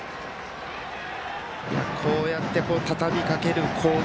こうやって、たたみかける攻撃。